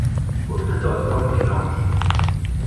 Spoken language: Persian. حکم دادگاه اعلام شد.